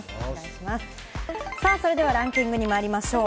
それではランキングにまいりましょう。